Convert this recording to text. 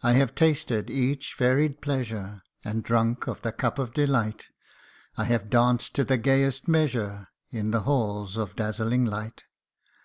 I HAVE tasted each varied pleasure, And drunk of the cup of delight ; I have danced to the gayest measure In the halls of dazzling light.